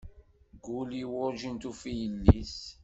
Guli werǧin tufi yelli-s.